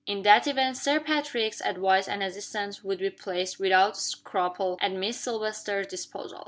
In that event, Sir Patrick's advice and assistance would be placed, without scruple, at Miss Silvester's disposal.